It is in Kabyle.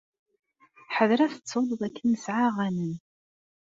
Ḥader ad tettuḍ dakken nesɛa aɣanen.